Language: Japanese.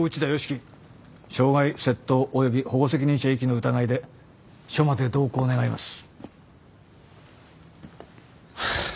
基傷害窃盗および保護責任者遺棄の疑いで署まで同行願います。